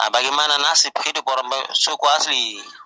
bagaimana nasib hidup orang suku asli